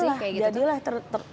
itu naif juga sih kayak gitu